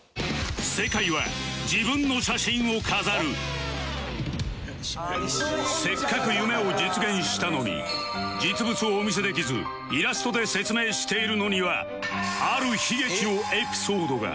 正解はせっかく夢を実現したのに実物をお見せできずイラストで説明しているのにはある悲劇のエピソードが